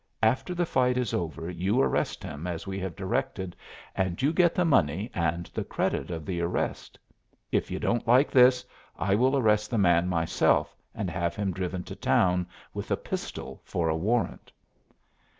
After the fight is over you arrest him as we have directed, and you get the money and the credit of the arrest. If you don't like this, I will arrest the man myself, and have him driven to town, with a pistol for a warrant."